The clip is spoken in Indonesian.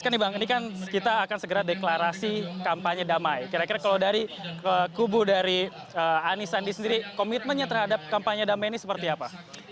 anies sandi sendiri komitmennya terhadap kampanye damai ini seperti apa